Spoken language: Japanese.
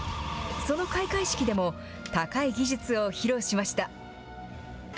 その開会式でも、高い技術を披露しました。